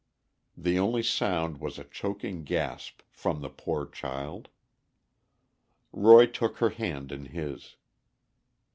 The only sound was a choking gasp from the poor child. Roy took her hand in his.